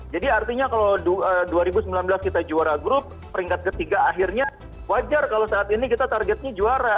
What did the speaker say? jadi artinya kalau dua ribu sembilan belas kita juara grup peringkat ketiga akhirnya wajar kalau saat ini kita targetnya juara